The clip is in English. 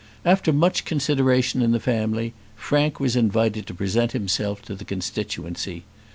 After much consideration in the family, Frank was invited to present himself to the constituency.